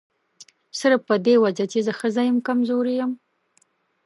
صرف په دې وجه چې زه ښځه یم کمزوري یم.